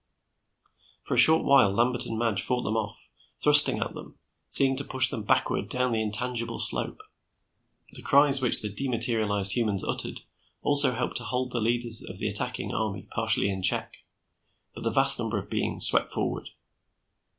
For a short while, Lambert and Madge fought them off, thrusting at them, seeming to push them backward down the intangible slope; the cries which the dematerialized humans uttered also helped to hold the leaders of the attacking army partially in check, but the vast number of beings swept forward.